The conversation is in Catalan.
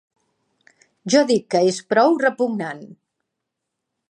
Jo dic que és prou repugnant.